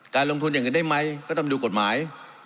ลงทุนอย่างอื่นได้ไหมก็ต้องดูกฎหมาย